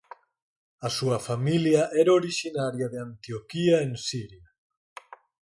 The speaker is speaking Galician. A súa familia era orixinaria de Antioquía en Siria.